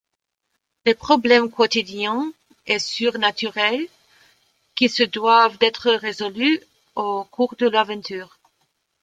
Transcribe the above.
Des problèmes quotidiens et surnaturels qui se doivent d'être résolus au cours de l'aventure.